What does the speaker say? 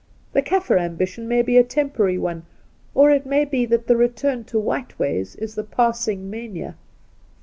The Kaffir ambition may be a temporary one, or it may be that the return to white ways is the passing mania.